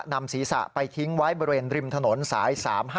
นำศีรษะไปทิ้งไว้บริเวณริมถนนสาย๓๕